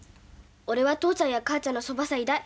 俺は父ちゃんや母ちゃんのそばさいたい。